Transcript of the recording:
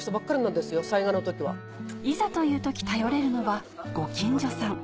いざという時頼れるのはご近所さん